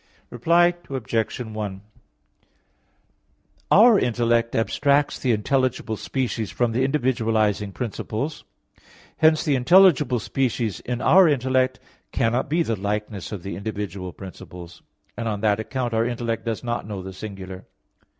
Reply Obj. 1: Our intellect abstracts the intelligible species from the individualizing principles; hence the intelligible species in our intellect cannot be the likeness of the individual principles; and on that account our intellect does not know the singular.